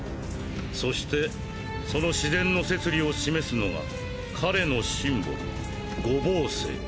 そしてその自然の摂理を示すのが彼のシンボル五芒星。